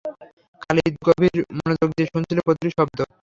খালিদ গভীর মনোযোগ দিয়ে শুনছিল প্রতিটি শব্দ।